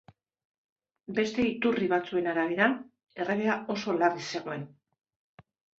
Beste iturri batzuen arabera, erregea oso larri zegoen.